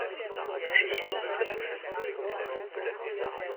Je suis très satisfait.